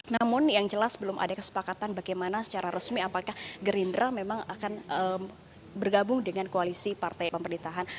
namun yang jelas belum ada kesepakatan bagaimana secara resmi apakah gerindra memang akan bergabung dengan koalisi partai pemerintahan